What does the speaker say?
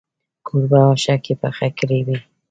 کوربه اشکې پخې کړې وې.